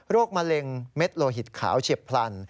โรคมะเร็งเม็ดโลหิตขาวเฉพพลัน